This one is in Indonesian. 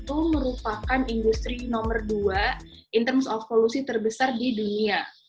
itu merupakan industri nomor dua in terms of polusi terbesar di dunia